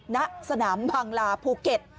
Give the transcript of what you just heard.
ณสนามบางลาภูเก็ต